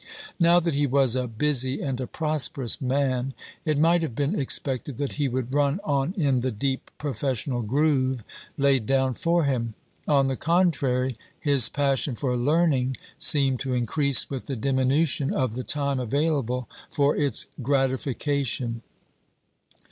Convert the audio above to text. Now that he was a busy and a prosperous man, it might have been expected that he would run on in the deep professional groove laid down for him. On the contrary, his passion for learning seemed to increase with the diminution of the time available for its gratification.